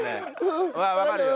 わかるよ。